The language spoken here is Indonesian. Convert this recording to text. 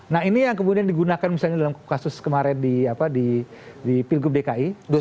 nah ini yang kemudian digunakan misalnya dalam kasus kemarin di pilgrub dki